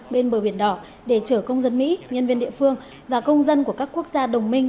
bên bờ biển đỏ để chở công dân mỹ nhân viên địa phương và công dân của các quốc gia đồng minh